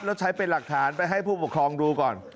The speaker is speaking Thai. แล้วใช้เป็นหลักฐานไปให้ผู้ปกครองดูก่อน